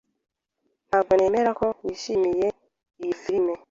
Ntabwo nemera ko wishimiye iyo firime.